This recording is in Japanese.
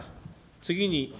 次に。